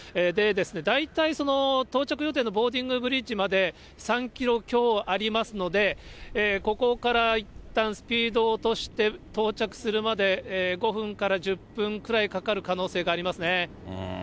大体、到着予定のボーディングブリッジまで３キロ強ありますので、ここからいったんスピードを落として、到着するまで、５分から１０分くらいかかる可能性がありますね。